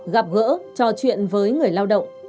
gặp gỡ trò chuyện với người lao động